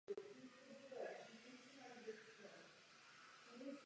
Přístup ke zdrojům probíhá buď v rámci organizace nebo mezi různými organizacemi.